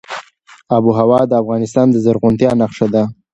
آب وهوا د افغانستان د زرغونتیا نښه ده.